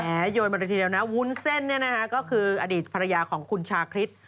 แม่้โยนไปตีเดียวน้าคืออดีตภรรยาของคุณชาคิท